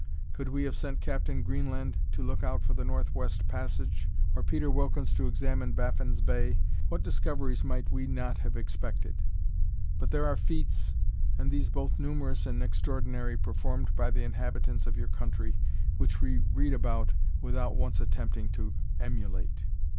Could we have sent Captain Greenland to look out for the north west passage, or Peter Wilkins to examine Baffin's Bay, what discoveries might we not have expected? But there are feats, and these both numerous and extraordinary, performed by the inhabitants of your country, which we read without once attempting to emulate.